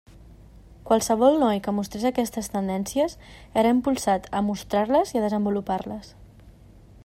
Qualsevol noi que mostrés aquestes tendències era impulsat a mostrar-les i a desenvolupar-les.